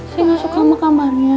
saya gak suka sama kamarnya